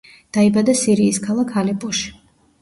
დაიბადა სირიის ქალაქ ალეპოში.